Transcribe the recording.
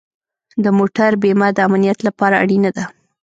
د موټر بیمه د امنیت لپاره اړینه ده.